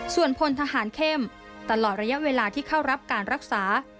ส่วนพลทหารเข้มตลอดระยะเวลาที่เข้ารับการรักษา